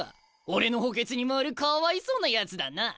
俺の補欠に回るかわいそうなやつだな。